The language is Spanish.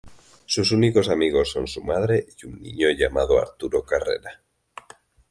Sus únicos amigos son su madre y un niño llamado Arturo Carrera.